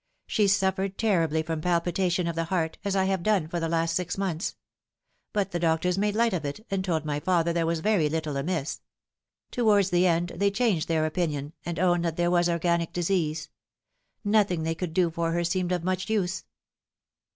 She suffered terribly from palpitation of the heart, as I have done for the last six months ; but the doctors made light of it, and told my father there was very little amiss. Towards the end they changed their opinion, and owned that there was organic disease. Nothing they could do for her seemed of much use."